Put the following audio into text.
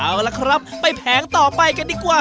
เอาล่ะครับไปแผงต่อไปกันดีกว่า